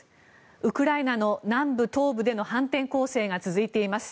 ウクライナの南部、東部での反転攻勢が続いています。